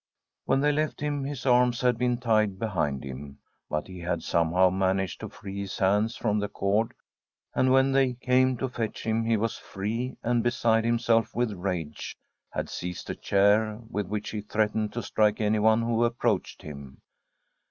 When they left him his arms had been tied behind him, but he had somehow man aged to free his hands from the cord, and when they came to fetch him he was free, and, beside himself with rage, had seized a chair, with which ["8] Tbi STORY #/ a COUNTRY HOUSE he threatened to strike anyone who approached him.